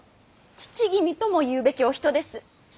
父君ともいうべきお人です。